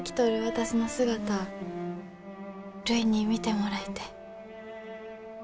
私の姿あるいに見てもらいてえ。